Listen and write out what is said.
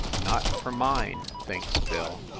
"Not for mine!" thinks Bill.